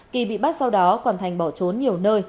kỳ bị bắt sau đó còn thành bỏ trốn nhiều nơi